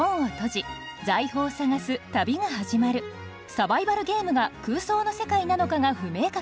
「サバイバルゲーム」が空想の世界なのかが不明確。